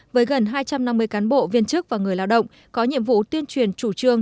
với gần hai trăm năm mươi cán bộ viên chức và người lao động có nhiệm vụ tuyên truyền chủ trương